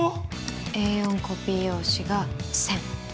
Ａ４コピー用紙が１，０００。